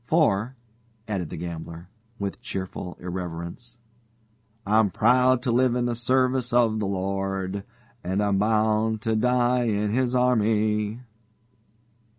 For," added the gambler, with cheerful irrelevance, "'I'm proud to live in the service of the Lord, And I'm bound to die in His army.'"